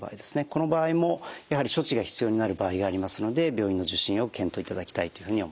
この場合もやはり処置が必要になる場合がありますので病院の受診を検討いただきたいというふうに思います。